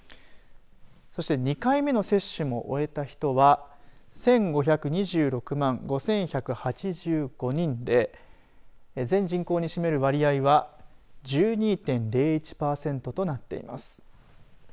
そして２回目の接種も終えた人は１５２６万５１８５人で全人口に占める割合は１２．０１パーセントとなっています。